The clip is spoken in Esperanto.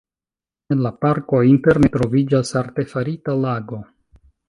En la parko interne troviĝas artefarita lago.